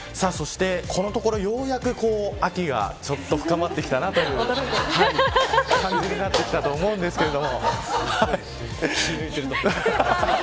このところようやく秋が深まってきたなという感じになってきたと思うんですけど。